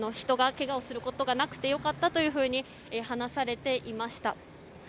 人がけがをすることがなくて良かったと話されていました。